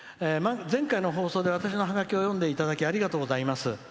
「前回の放送で私のハガキを読んでいただきありがとうございます。